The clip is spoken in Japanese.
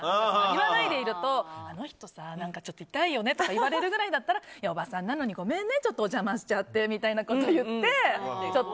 言わないでいるとあの人ちょっと痛いよねとか言われるくらいだったらおばさんなのにごめんねお邪魔しちゃってみたいなことを言って。